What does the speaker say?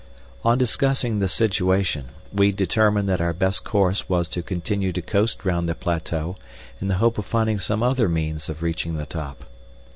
On discussing the situation, we determined that our best course was to continue to coast round the plateau in the hope of finding some other means of reaching the top.